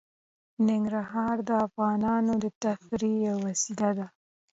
ننګرهار د افغانانو د تفریح یوه وسیله ده.